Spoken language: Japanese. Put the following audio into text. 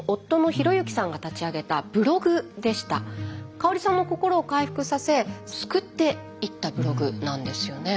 香さんの心を回復させ救っていったブログなんですよね。